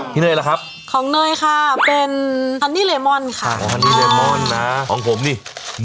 ที่เนยล่ะครับของเนยค่ะเป็นค่ะของผมนี่